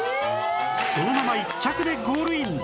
そのまま１着でゴールイン